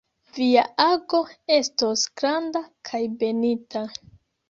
Via ago estos granda kaj benita.